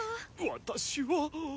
私は。